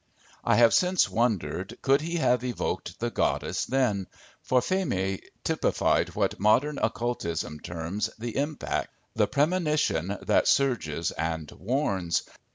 I have since wondered, could he have evoked the goddess then? For Phémé typified what modern occultism terms the impact the premonition that surges and warns.